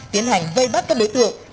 tiến hành vây bắt các đối tượng